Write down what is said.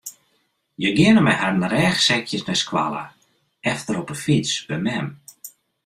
Hja geane mei harren rêchsekjes nei skoalle, efter op de fyts by mem.